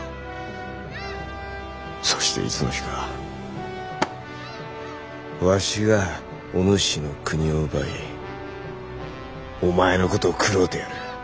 そしていつの日かわしがお主の国を奪いお前のことを食ろうてやる。